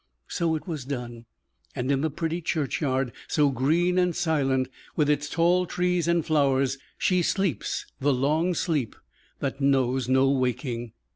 So it was done; and in the pretty churchyard so green and silent, with its tall trees and flowers, she sleeps the long sleep that knows no waking.